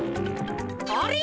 あれ？